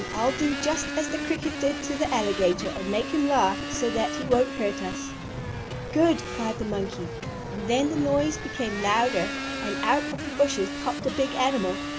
I'll do just as the cricket did to the alligator and make him laugh so that he won't hurt us." "Good!" cried the monkey. And then the noise became louder and out from the bushes popped a big animal.